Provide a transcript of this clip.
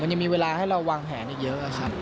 มันยังมีเวลาให้เราวางแผนอีกเยอะอะค่ะ